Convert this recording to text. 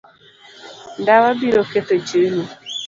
Ndawa biro ketho chunyi.